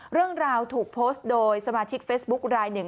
เรื่องราวถูกโพสต์โดยสมาชิกเฟซบุ๊คลายหนึ่ง